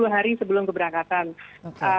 hari sebelum keberangkatan oke